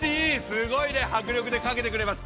すごい迫力でかけてくれます。